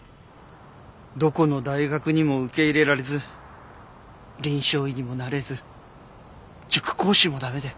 どこの大学にも受け入れられず臨床医にもなれず塾講師も駄目で。